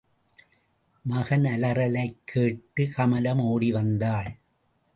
மகன் அலறலைக் கேட்டு கமலம் ஓடிவந்தாள்.